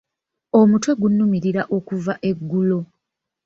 Omutwe gunnumirira okuva eggulo.